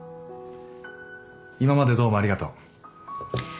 今までどうもありがとう